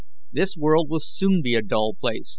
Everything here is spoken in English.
"This world will soon be a dull place.